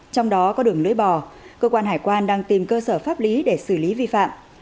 trong đó có đường lưới bò cơ quan hải quan đang tìm cơ sở pháp lý để xử lý vi phạm